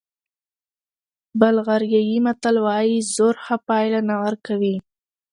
بلغاریایي متل وایي زور ښه پایله نه ورکوي.